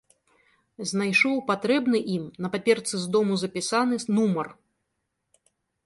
Знайшоў патрэбны ім, на паперцы з дому запісаны, нумар.